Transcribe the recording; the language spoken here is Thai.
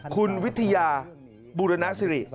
คุณวิทยาบุรณสิริ